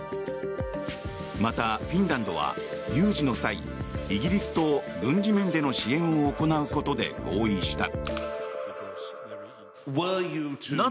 また、フィンランドは有事の際イギリスと軍事面での支援を行うことで合意した。